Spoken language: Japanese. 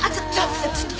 ちょっと！